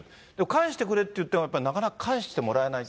返してくれって言ってもやっぱりなかなか返してもらえない。